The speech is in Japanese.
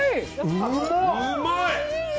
うまい！